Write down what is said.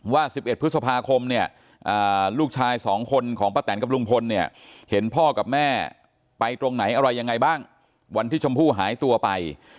ว่า๑๑พฤษภาคมเนี่ยลูกชาย๒คนของป้าแตนกับลุงพลเนี่ยเห็นพ่อกับแม่ไปตรงไหนอะไรยังไงบ้างวันที่ชมพู่หายตัวไป